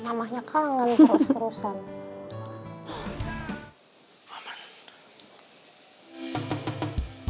mamahnya kangen terus terusan